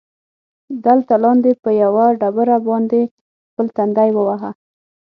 دلته لاندې، په یوه ډبره باندې خپل تندی ووهه.